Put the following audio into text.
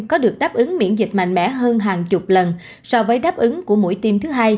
có được đáp ứng miễn dịch mạnh mẽ hơn hàng chục lần so với đáp ứng của mũi tiêm thứ hai